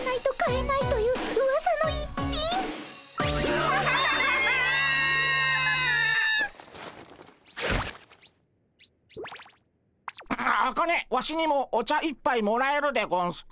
アアカネワシにもお茶一杯もらえるでゴンスか？